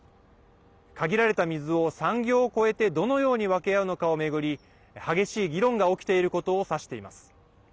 限られた水を産業を超えてどのように分け合うのかを巡り激しい議論が起きていることを指しています。